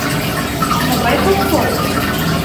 — Могай колхоз?